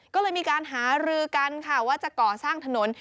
ก็เลยมีการหารือกันค่ะว่าจะก่อสร้างถนน